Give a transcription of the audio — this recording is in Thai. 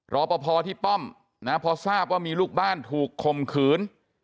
รอปภที่ป้อมนะพอทราบว่ามีลูกบ้านถูกคมขืน